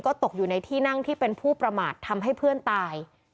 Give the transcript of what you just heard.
ตกอยู่ในที่นั่งที่เป็นผู้ประมาททำให้เพื่อนตาย